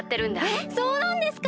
えっそうなんですか？